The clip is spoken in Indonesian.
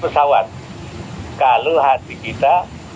pesawat kalau hati kita